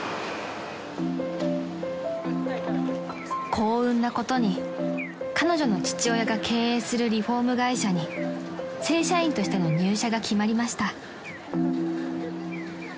［幸運なことに彼女の父親が経営するリフォーム会社に正社員としての入社が決まりました］